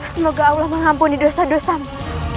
semoga allah mengampuni dosa dosa mu